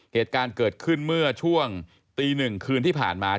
เหตุการณ์เกิดขึ้นเมื่อช่วงตีหนึ่งคืนที่ผ่านมา